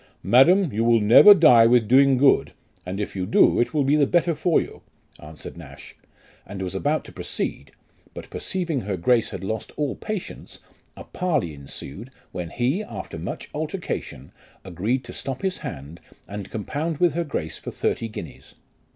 Madam, you will never die with doing good ; and if you do, it will be the better for you,' answered Nash, and was about to proceed ; but perceiving her grace had lost all patience, a parley ensued, when he, after much altercation, agreed to stop his hand, and compound with her grace for thirty guineas.